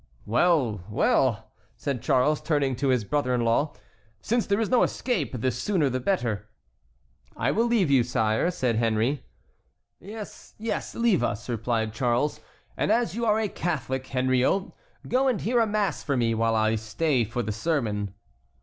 "Well, well," said Charles, turning to his brother in law, "since there is no escape, the sooner the better." "I will leave you, sire," said Henry. "Yes, yes, leave us," replied Charles; "and as you are a Catholic, Henriot, go and hear a mass for me while I stay for the sermon."